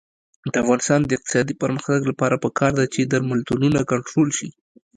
د افغانستان د اقتصادي پرمختګ لپاره پکار ده چې درملتونونه کنټرول شي.